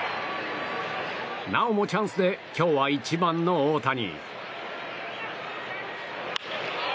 なおもチャンスで今日は１番の大谷。